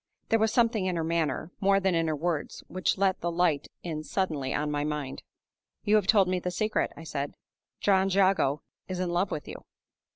There was something in her manner, more than in her words, which let the light in suddenly on my mind. "You have told me the secret," I said. "John Jago is in love with you."